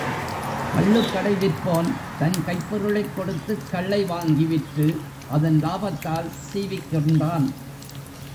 கள்ளுக்கடை விற்போன் தன் கைப்பொருளைக் கொடுத்துக் கள்ளை வாங்கி விற்று அதன் லாபத்தால் சீவிக்கின்றான்.